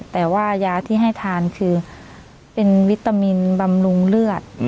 แต่ว่ายาที่ให้ทานคือเป็นวิตามินบำรุงเลือด